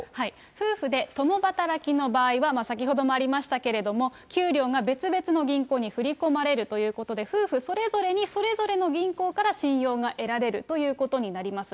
夫婦で共働きの場合は、先ほどもありましたけれども、給料が別々の銀行に振り込まれるということで、夫婦それぞれに、それぞれの銀行から信用が得られるということになります。